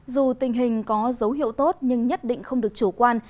dù tình hình có dấu hiệu tốt nhưng nhất định không được chủ quan